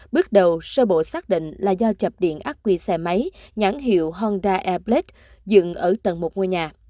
bước đầu sơ bộ xác định là do chập điện ác quy xe máy nhãn hiệu honda airblade dựng ở tầng một ngôi nhà